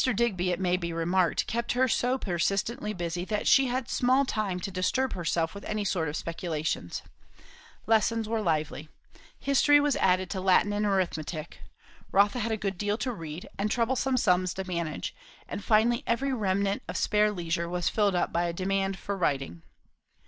Digby, it may be remarked, kept her so persistently busy, that she had small time to disturb herself with any sort of speculations. Lessons were lively. History was added to Latin and arithmetic; Rotha had a good deal to read, and troublesome sums to manage; and finally every remnant of spare leisure was filled up by a demand for writing.